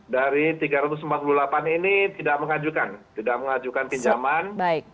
dari tiga ratus empat puluh delapan ini tidak mengajukan tidak mengajukan pinjaman